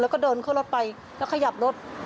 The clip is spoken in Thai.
แล้วก็เดินเข้ารถไปแล้วขยับรถ